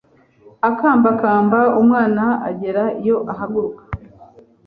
akambakamba umwana agera iyo ahaguruka